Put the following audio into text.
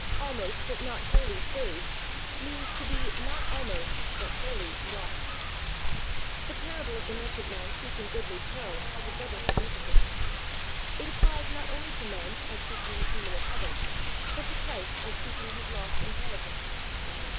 Almost but not wholly saved, means to be not almost but wholly lost. The parable of the merchantman seeking goodly pearls has a double significance: it applies not only to men as seeking the kingdom of heaven, but to Christ as seeking His lost inheritance.